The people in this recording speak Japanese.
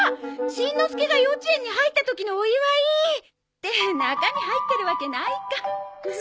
しんのすけが幼稚園に入った時のお祝い！って中身入ってるわけないか。